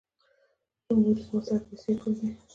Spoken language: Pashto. چې مورې زما سره پېسې کوم دي ـ